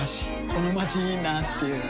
このまちいいなぁっていう